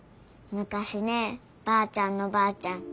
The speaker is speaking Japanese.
むかしねばあちゃんのばあちゃん